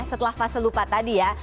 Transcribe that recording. setelah fase lupa tadi ya